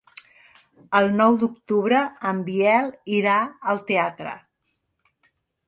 El nou d'octubre en Biel irà al teatre.